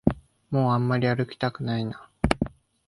もうあんまり歩きたくないな